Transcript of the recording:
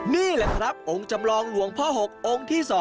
นี่แหละครับองค์จำลองหลวงพ่อ๖องค์ที่๒